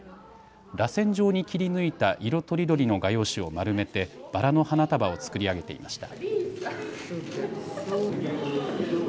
らせん状に切り抜いた色とりどりの画用紙を丸めてバラの花束を作り上げていました。